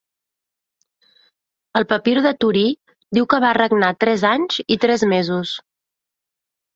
El papir de Torí diu que va regnar tres anys i uns tres mesos.